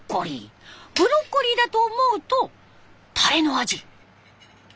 ブロッコリーだと思うとタレの味。